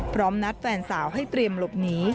พร้อมนัดแฟนสาวให้เตรียมหลบหนี